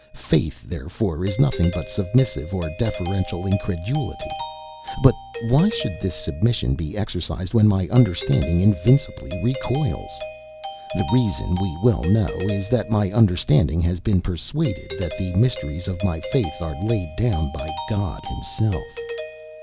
Faith, therefore, is nothing but submissive or deferential incredulity. But why should this submission be exercised when my understanding invincibly recoils? The reason, we well know, is, that my understanding has been persuaded that the mysteries of my faith are laid down by God himself.